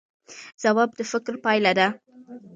ځواب د فکر پایله ده